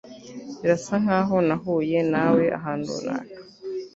Birasa nkaho nahuye nawe ahantu runaka